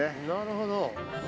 なるほど。